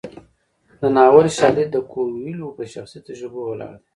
د ناول شالید د کویلیو په شخصي تجربو ولاړ دی.